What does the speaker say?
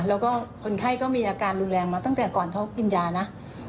แล้วก็คนไข้ก็มีอาการรุนแรงมาตั้งแต่ก่อนเขากินยานะ